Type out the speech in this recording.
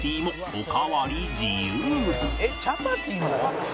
「おかわり自由」